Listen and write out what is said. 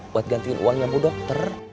buat gantiin uangnya bu dokter